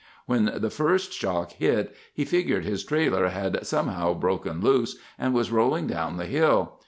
When the first shock hit, he figured his trailer had somehow broken loose and was rolling down the hill.